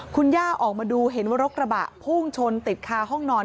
คุณย่าออกมาดูเห็นว่ารถกระบะพุ่งชนติดคาห้องนอน